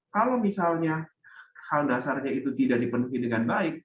kalau misalnya hal dasarnya itu tidak dipenuhi dengan baik